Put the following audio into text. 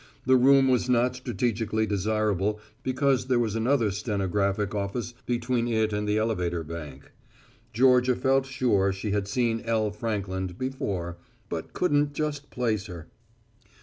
The room was not strategically desirable because there was another stenographic office between it and the elevator bank. Georgia felt sure she had seen L. Frankland before, but couldn't just place her.